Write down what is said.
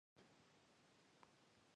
محمد شپږم د يوې دورې پای څرګندوي.